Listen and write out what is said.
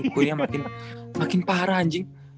kuri makin parah anjing